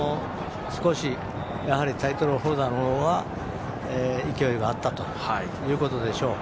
タイトルホルダーのほうは勢いがあったということでしょう。